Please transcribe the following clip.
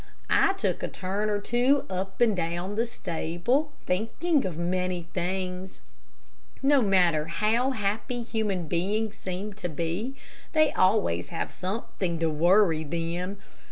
I took a turn or two up and down the stable, thinking of many things. No matter how happy human beings seem to be, they always have something to worry them.